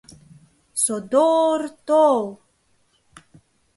Содо-ор то-ол!